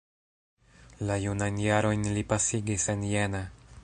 La junajn jarojn li pasigis en Jena.